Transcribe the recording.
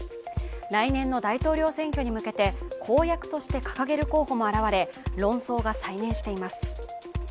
来年の大統領選挙に向けて、公約として掲げる候補も現れ、論争が再燃しています。